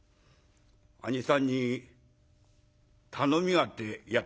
兄さんに頼みがあってやってめえりました」。